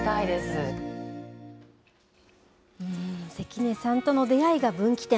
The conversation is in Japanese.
関根さんとの出会いが分岐点。